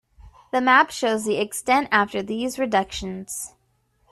The map shows the extent after these reductions.